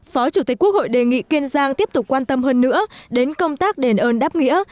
phó chủ tịch quốc hội đề nghị kiên giang tiếp tục quan tâm hơn nữa đến công tác đền ơn đáp nghĩa